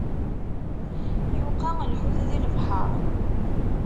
Yuqa lḥut di lebḥeṛ.